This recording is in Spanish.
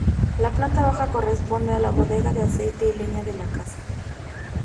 La planta baja corresponde a la bodega de aceite y leña de la casa.